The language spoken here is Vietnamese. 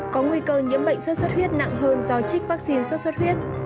có nguy cơ nhiễm bệnh xuất xuất huyết nặng hơn do trích vaccine sốt xuất huyết